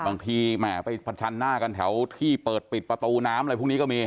แหมไปประชันหน้ากันแถวที่เปิดปิดประตูน้ำอะไรพวกนี้ก็มี